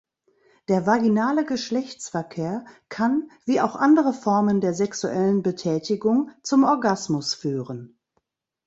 Der vaginale Geschlechtsverkehr kann, wie auch andere Formen der sexuellen Betätigung, zum Orgasmus führen.